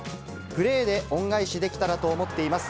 プレーで恩返しできたらと思っています。